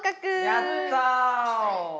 やった！